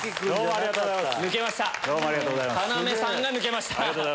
ありがとうございます。